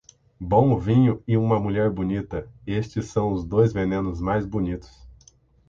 Bom vinho e uma mulher bonita - estes são os dois venenos mais bonitos.